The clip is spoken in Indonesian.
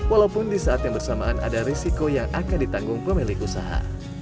walaupun di saat yang bersamaan ada risiko yang akan ditanggung pemilik usaha